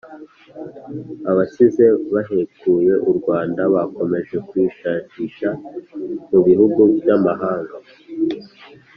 Abasize bahekuye U Rwanda bakomeje kwishahisha mu bihugu by’amahanga